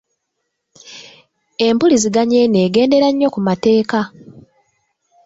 Empuliziganya eno egendera nnyo ku mateeka .